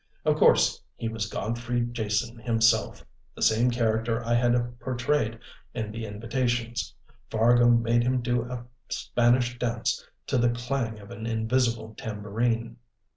Of course he was Godfrey Jason himself the same character I had portrayed in the invitations. Fargo made him do a Spanish dance to the clang of an invisible tambourine.